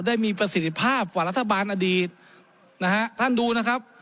ได้มีประสิทธิภาพกว่ารัฐบาลอดีตนะฮะท่านดูนะครับ